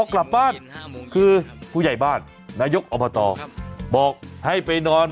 กลับบ้านคือผู้ใหญ่บ้านนายกอบตบอกให้ไปนอน